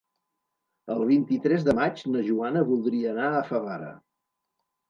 El vint-i-tres de maig na Joana voldria anar a Favara.